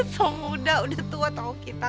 sang muda udah tua tau kita